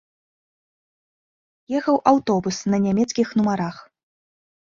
Ехаў аўтобус на нямецкіх нумарах.